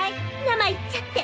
ナマ言っちゃって！